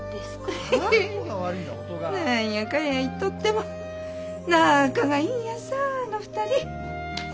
何やかんや言っとっても仲がいいんやさあの２人。